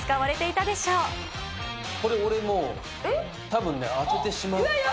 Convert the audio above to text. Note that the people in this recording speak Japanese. これ、俺もう、たぶんね、当ててしまう。